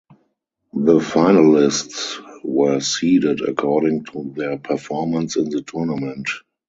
The finalists were seeded according to their performance in the tournament.